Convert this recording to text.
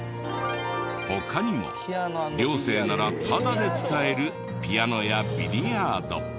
他にも寮生ならタダで使えるピアノやビリヤード。